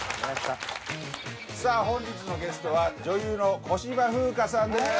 さあ本日のゲストは女優の小芝風花さんです。